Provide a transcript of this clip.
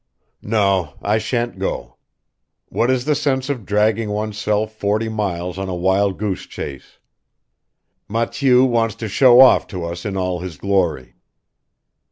"No. I shan't go. What is the sense of dragging oneself forty miles on a wild goose chase. Mathieu wants to show off to us in all his glory.